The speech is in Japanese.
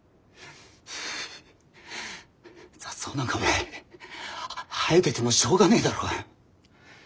雑草なんかお前生えててもしょうがねえだろうが。